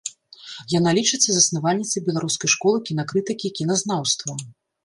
Яна лічыцца заснавальніцай беларускай школы кінакрытыкі і кіназнаўства.